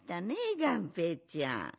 がんぺーちゃん。